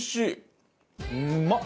うまっ！